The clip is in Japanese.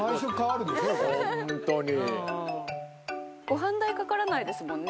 ご飯代かからないですもんね